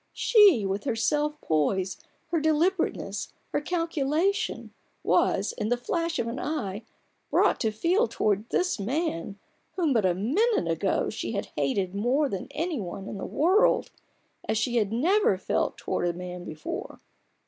She, with her self poise, her deliberateness, her cal culation, was, in the flash of an eye, brought to feel towards this man, whom but a moment ago she had hated more than any one in the world, as she had never felt towards man before.